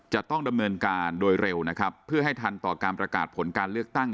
จะต้องดำเนินการโดยเร็วนะครับเพื่อให้ทันต่อการประกาศผลการเลือกตั้ง